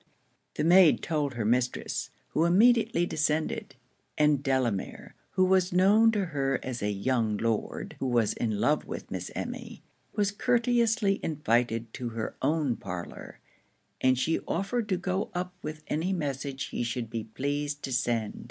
The maid told her mistress, who immediately descended; and Delamere, who was known to her as a young Lord who was in love with Miss Emmy, was courteously invited to her own parlour, and she offered to go up with any message he should be pleased to send.